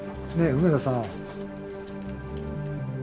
梅田さん。